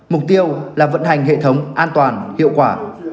mục tiêu là vận hành hệ thống an toàn hiệu quả